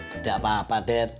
tidak apa apa dad